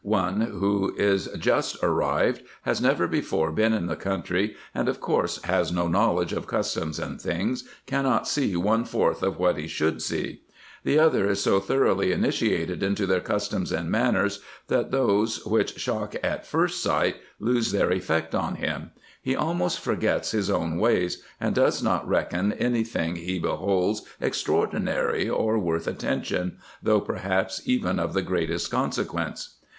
One who is just arrived, has never before been in the country, and of course has no know ledge of customs and things, cannot see one fourth of what he should see : the other is so thoroughly initiated into their customs and manners, that those which shock at first sight, lose their effect on him ; he almost forgets his own ways, and does not reckon any thing he beholds extraordinary or worth attention, though perhaps even of the greatest consequence.